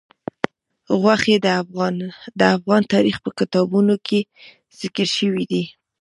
غوښې د افغان تاریخ په کتابونو کې ذکر شوي دي.